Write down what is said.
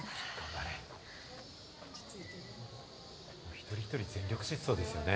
一人一人、全力疾走ですよね。